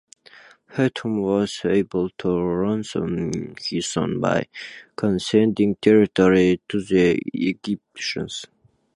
Hethum was able to ransom his son by conceding territory to the Egyptians.